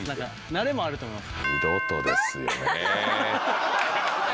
慣れもあると思います。